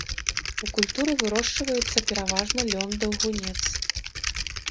У культуры вырошчваецца пераважна лён-даўгунец.